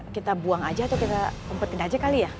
kita buang aja atau kita umpetin aja kali ya